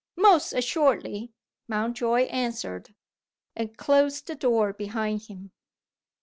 "Most assuredly," Mountjoy answered and closed the door behind him.